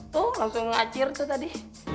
tuh langsung ngacir tuh tadi